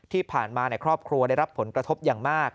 ที่ผ่านมาครอบครัวได้รับผลกระทบอย่างมาก